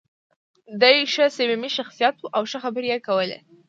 دی ښه صمیمي شخصیت و او ښه خبرې یې کولې.